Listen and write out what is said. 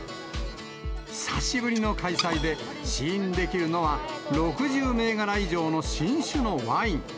久しぶりの開催で、試飲できるのは、６０銘柄以上の新酒のワイン。